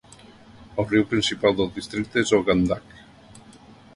El riu principal del districte és el Gandak.